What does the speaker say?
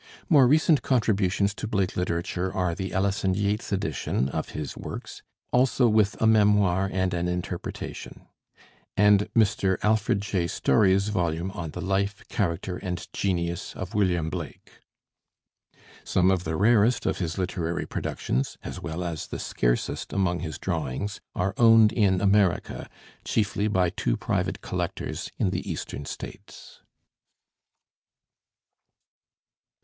More recent contributions to Blake literature are the Ellis and Yeats edition of his works, also with a Memoir and an Interpretation; and Mr. Alfred J. Story's volume on 'The Life, Character, and Genius of William Blake.' Some of the rarest of his literary productions, as well as the scarcest among his drawings, are owned in America, chiefly by two private collectors in the Eastern States.